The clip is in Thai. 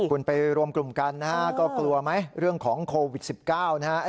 คุณไปรวมกลุ่มกันนะฮะก็กลัวไหมเรื่องของโควิด๑๙นะฮะ